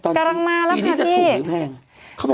กำลังมาแล้วค่ะพี่แพง